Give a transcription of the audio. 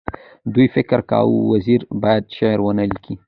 دوی فکر کوي وزیر باید شعر ونه لیکي.